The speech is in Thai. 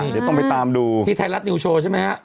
เดี๋ยวต้องไปตามดูที่ไทยรัฐนิวโชว์ใช่ไหมฮะ